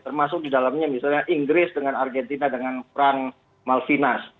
termasuk di dalamnya misalnya inggris dengan argentina dengan perang malvinas